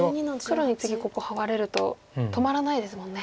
黒に次ここハワれると止まらないですもんね。